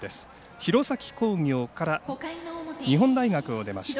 弘前工業から日本大学を出ました。